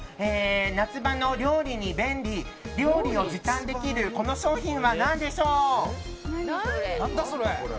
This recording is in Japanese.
夏場の料理に便利料理を時短できるこの商品は何でしょうか？